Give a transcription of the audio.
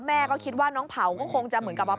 แม่ก็คิดว่าน้องเผาก็คงจะเหมือนกับว่า